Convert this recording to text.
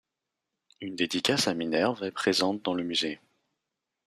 Une dédicace à Minerve est présente dans le musée.